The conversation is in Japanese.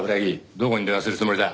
どこに電話するつもりだ？